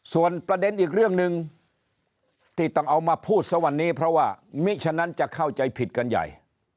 ส่วนประเด็นอีกเรื่องหนึ่งที่ต้องเอามาพูดซะวันนี้เพราะว่ามิฉะนั้นจะเข้าใจผิดกันใหญ่